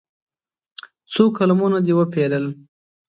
څو قلمونه دې وپېرل.